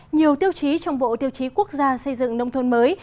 nhiều tiêu chí trong bộ tiêu chí quốc gia xây dựng nông thôn mới